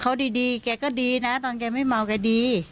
เกะก็ดีนะตอนเกะไม่มาวก็ดี